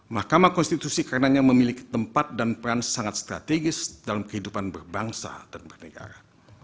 mahkamah konstitusi karenanya memiliki tempat dan peran sangat strategis dalam kehidupan berbangsa dan bernegara